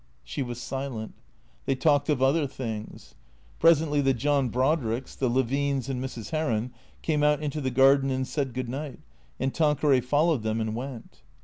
She was silent. They talked of other things. Presently the John Brodricks, the Levines and Mrs. Heron came out into the garden and said good night, and Tanqueray followed them and went.